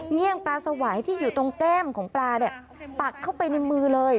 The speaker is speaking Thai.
เลี่ยงปลาสวายที่อยู่ตรงแก้มของปลาเนี่ยปักเข้าไปในมือเลย